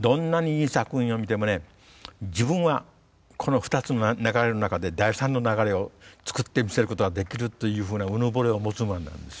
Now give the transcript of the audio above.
どんなにいい作品を見てもね自分はこの２つの流れの中で第３の流れを作ってみせることができるというふうなうぬぼれを持つものなんですよ。